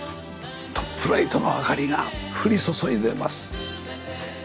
トップライトの明かりが降り注いでます。